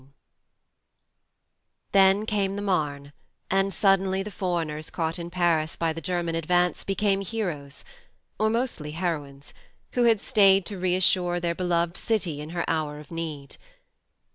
Ill THEN came the Marne, and suddenly the foreigners caught in Paris by the German advance became heroes or mostly heroines who had stayed to reassure their beloved city in her hour of need.